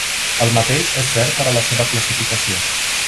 El mateix és cert per a la seva classificació.